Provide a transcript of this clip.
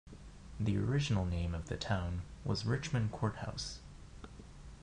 The original name of the town was Richmond Courthouse.